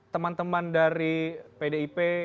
teman teman dari pdip